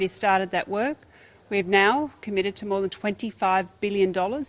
kita sekarang berpengaruh untuk lebih dari dua puluh lima bilion dolar